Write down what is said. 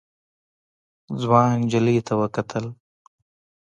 ځوان نجلۍ ته وکتل.